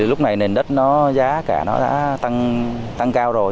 lúc này nền đất giá cả đã tăng cao rồi